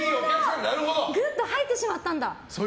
ぐっと入ってしまったんだ。